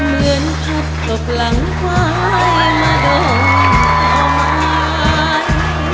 เหมือนพูดตกหลังไขวมาดมเต้าไม้